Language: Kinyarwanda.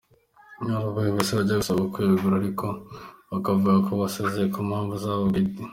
Hari abayobozi bajya basabwa kwegura ariko bakavuga ko basezeye ku mpamvu zabo bwite.